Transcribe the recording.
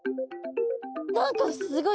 何かすごい！